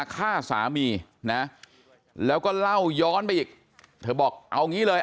ฆ่าสามีนะแล้วก็เล่าย้อนไปอีกเธอบอกเอางี้เลย